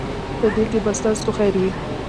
په دې کې به ستاسو خیر وي.